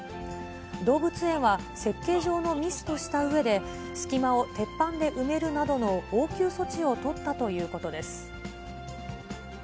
動物園は設計上のミスとしたうえで、隙間を鉄板で埋めるなどの応急措置を取ったということです。